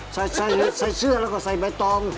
ใช่ใส่เสื้อแล้วก็ใส่ใบตอง